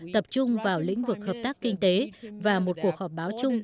tập trung vào lĩnh vực hợp tác kinh tế và một cuộc họp báo chung